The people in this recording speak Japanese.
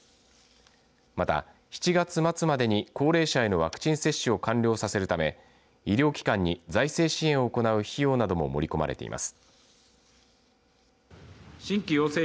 また、７月末までに高齢者へのワクチン接種を完了させるため医療機関に財政支援を行う費用なども盛り込まれています。